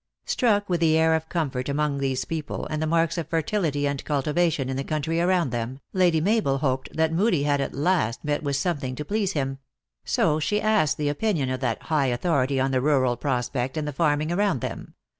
Struck with the air of comfort common among these people, and the marks of fertility and cultivation in the country around them, Lady Mabel hoped that Moodie had at last met with something to please him ; so she asked the opinion of that high authority on the rural prospect and the farming around them.